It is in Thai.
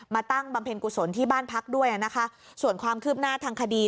ตั้งบำเพ็ญกุศลที่บ้านพักด้วยนะคะส่วนความคืบหน้าทางคดี